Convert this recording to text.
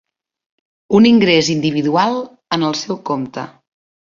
Un ingrés individual en el seu compte.